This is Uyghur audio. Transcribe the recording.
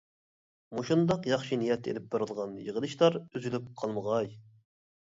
مۇشۇنداق ياخشى نىيەتتە ئېلىپ بېرىلغان يىغىلىشلار ئۈزۈلۈپ قالمىغاي.